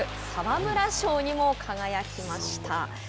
沢村賞にも輝きました。